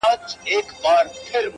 o گيله د دوسته کېږي!